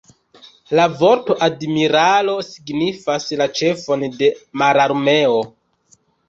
La vorto "admiralo" signifas la ĉefon de mararmeo.